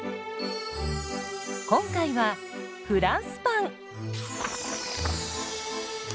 今回はフランスパン。